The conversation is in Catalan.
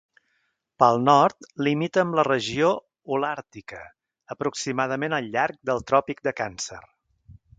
Pel nord limita amb la regió holàrtica, aproximadament al llarg del tròpic de Càncer.